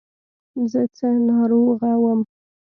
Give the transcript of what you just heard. زه څه ناروغه وم.